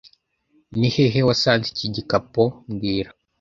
Ni hehe wasanze iki gikapo mbwira